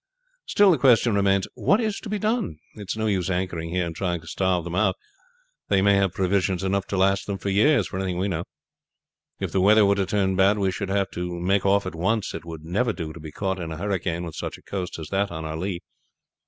Still the question remains, what is to be done? It is no use anchoring here and trying to starve them out; they may have provisions enough to last them for years, for anything we know. If the weather were to turn bad we should have to make off at once; it would never do to be caught in a hurricane with such a coast as that on our lee.